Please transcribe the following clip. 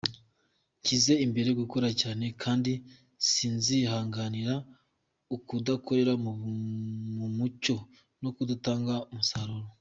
Nshyize imbere gukora cyane kandi sinzihanganira ukudakorera mu mucyo no kudatanga umusaruro.